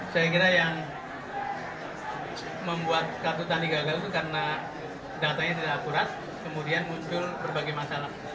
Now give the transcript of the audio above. saya kira yang membuat kartu tani gagal itu karena datanya tidak akurat kemudian muncul berbagai masalah